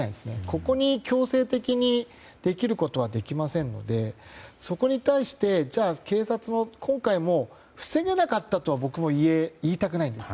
ここに強制的にできることはできませんのでそこに対して警察が今回も防げなかったとは僕も言いたくないんです。